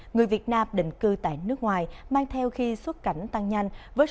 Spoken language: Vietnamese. người việt nam định cư tại nước ngoài mang theo khi xuất cảnh tăng nhanh